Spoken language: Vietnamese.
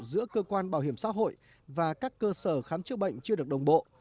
giữa cơ quan bảo hiểm xã hội và các cơ sở khám chữa bệnh chưa được đồng bộ